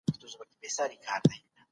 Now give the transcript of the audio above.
د غوايي ښکرونه ځمکه نه ښوروي.